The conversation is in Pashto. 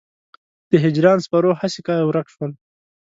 د هجران سپرو هسې ورک شول.